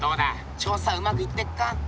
調査はうまくいってっか？